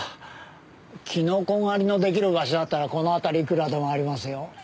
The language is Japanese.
キノコ狩りの出来る場所だったらこの辺りいくらでもありますよ。